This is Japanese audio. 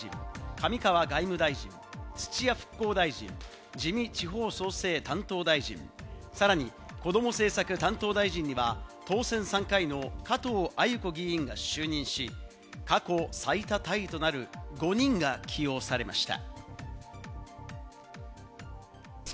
上川外務大臣、土屋復興大臣、自見地方創生担当大臣、さらにこども政策担当大臣には当選３回の加藤鮎子議員が就任し、過去最多タイとなる５人が起用されました。